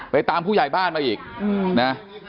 ตามผู้ใหญ่บ้านมาอีกนะ